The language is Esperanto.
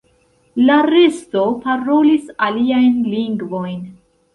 La resto parolis aliajn lingvojn.